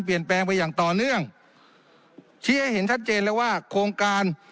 เปลี่ยนแปลงไปอย่างต่อเนื่องชี้ให้เห็นชัดเจนเลยว่าโครงการ